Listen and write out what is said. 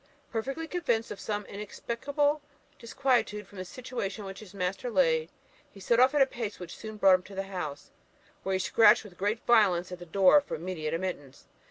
Perfectly convinced of some inexplicable disquietude from the situation in which his master lay, he set off at a pace which soon brought him to the house, where he scratched with great violence at the door for immediate admittance.